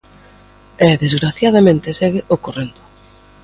E, desgraciadamente, segue ocorrendo.